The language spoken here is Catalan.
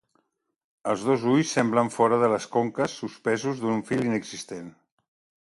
Els dos ulls semblen fora de les conques, suspesos d'un fil inexistent.